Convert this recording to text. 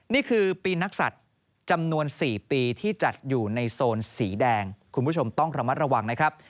นี่คือปีนักศัตริย์จำนวน๔ปีที่จัดอยู่ในโซนสีแดงคุณผู้ชมต้องระมัดระวังนะครับ